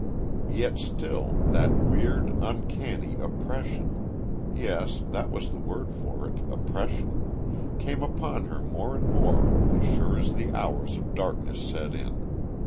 Yet still, that weird, uncanny oppression yes, that was the word for it, oppression came upon her more and more as sure as the hours of darkness set in.